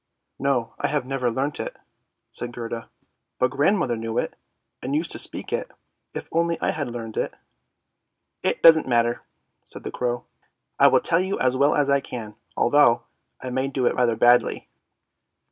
" No, I have never learnt it," said Gerda; " but grandmother knew it, and used to speak it. If only I had learnt it! "" It doesn't matter," said the crow. " I will tell you as well as I can, although I may do it rather badly."